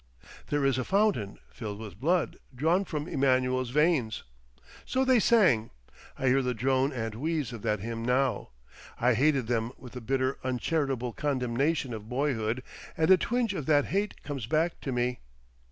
"There is a Fountain, filled with Blood Drawn from Emmanuel's Veins," so they sang. I hear the drone and wheeze of that hymn now. I hated them with the bitter uncharitable condemnation of boyhood, and a twinge of that hate comes back to me.